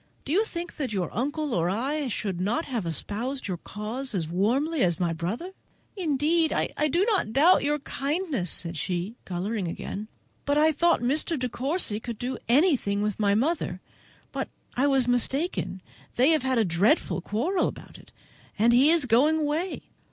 Do you think that your uncle or I should not have espoused your cause as warmly as my brother?" "Indeed, I did not doubt your kindness," said she, colouring again, "but I thought Mr. De Courcy could do anything with my mother; but I was mistaken: they have had a dreadful quarrel about it, and he is going away.